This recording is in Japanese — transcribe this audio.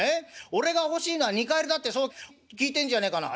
俺が欲しいのは二荷入りだってそう聞いてんじゃねえかな。